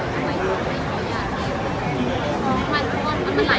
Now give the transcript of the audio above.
ช่องความหล่อของพี่ต้องการอันนี้นะครับ